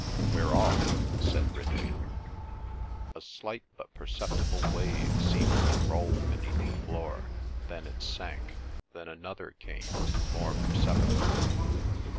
"We're off," said Ridley. A slight but perceptible wave seemed to roll beneath the floor; then it sank; then another came, more perceptible.